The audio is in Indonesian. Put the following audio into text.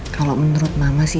kalau menurut mama sih